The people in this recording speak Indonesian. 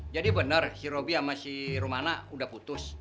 jadi bener si robi sama si romana udah putus